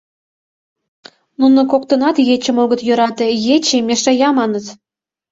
Нуно коктынат ечым огыт йӧрате, «ече мешая» маныт.